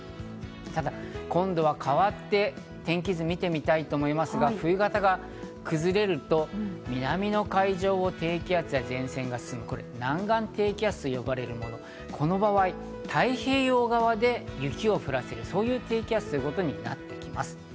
ただ今度は変わって、天気図を見てみたいと思いますが冬型が崩れると南の海上を低気圧や前線が進む南岸低気圧と呼ばれるもの、この場合、太平洋側で雪を降らせる、そういう低気圧ということになってきます。